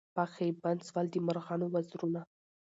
پکښي بند سول د مرغانو وزرونه